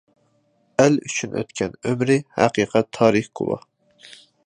ئەل ئۈچۈن ئۆتكەن ئۆمرى، ھەقىقەت تارىخ گۇۋاھ.